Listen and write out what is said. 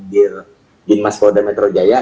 dir bin mas kolda metro jaya